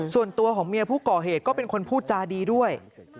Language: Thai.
ส่วนตัวของเมียผู้ก่อเหตุก็เป็นคนพูดจาดีด้วย